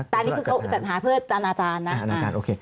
แต่อันนี้คือจัดหาเพื่ออาณาจารย์นะ